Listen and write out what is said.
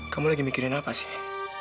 kamu lagi mikirin apa sih